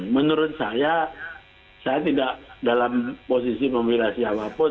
menurut saya saya tidak dalam posisi membela siapapun